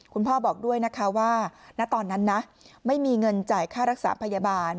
คุณพ่อบอกด้วยนะคะว่าณตอนนั้นนะไม่มีเงินจ่ายค่ารักษาพยาบาล